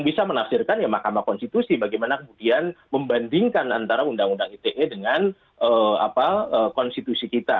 tidak membuat tafsirkan ya makamah konstitusi bagaimana kemudian membandingkan antara undang undang ite dengan konstitusi kita